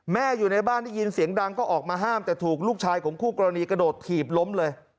อยู่ในบ้านได้ยินเสียงดังก็ออกมาห้ามแต่ถูกลูกชายของคู่กรณีกระโดดถีบล้มเลย